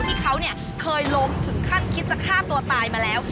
ที่เขาเนี่ยเคยล้มถึงขั้นคิดจะฆ่าตัวตายมาแล้ว